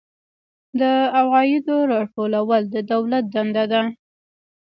د عوایدو راټولول د دولت دنده ده